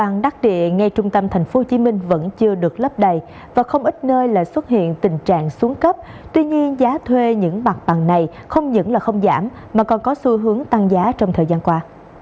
công an đắc địa ngay trung tâm tp hcm vẫn chưa được lấp đầy và không ít nơi lại xuất hiện tình trạng xuống cấp tuy nhiên giá thuê những mặt bằng này không những là không giảm mà còn có xu hướng tăng giá trong thời gian qua